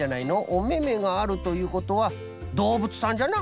おめめがあるということはどうぶつさんじゃな。